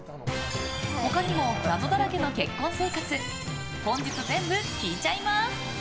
他にも、謎だらけの結婚生活本日、全部聞いちゃいます！